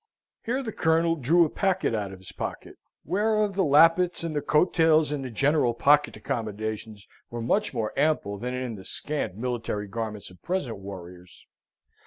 Here the Colonel drew a packet out of his pocket, whereof the lappets and the coat tails and the general pocket accommodations were much more ample than in the scant military garments of present warriors.